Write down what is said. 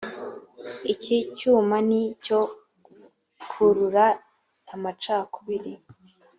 iki cyuma ni icyo gukurura amacakubiri